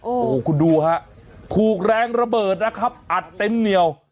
โอ้โหคุณดูฮะถูกแรงระเบิดนะครับอัดเต็มเหนียว